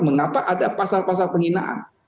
mengapa ada pasal pasal penghinaan